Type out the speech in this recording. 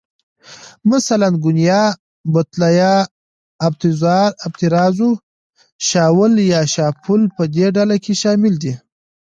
مثلاً، ګونیا، بتله یا آبترازو، شاول یا شافول په دې ډله کې شامل دي.